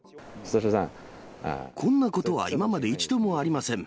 こんなことは今まで一度もありません。